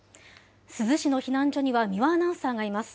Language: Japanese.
珠洲市の避難所には、三輪アナウンサーがいます。